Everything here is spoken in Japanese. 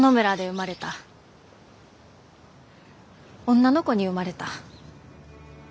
女の子に生まれた。